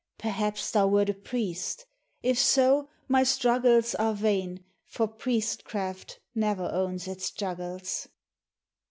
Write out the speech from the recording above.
Perhaps thou wert a priest, — if so, my struggles Are vain, for priestcraft never owns its juggles.